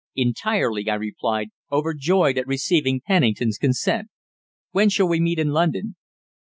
"Entirely," I replied, overjoyed at receiving Pennington's consent. "When shall we meet in London?"